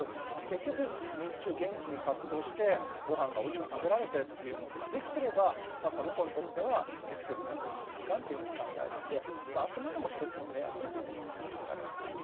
結局日中元気に活動してごはんがおいしく食べられてというものができてればその子にとっては適切な睡眠時間というふうに考えるんであくまでも一つの目安というふうに考えられてます。